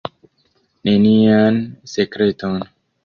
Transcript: Nenian sekreton.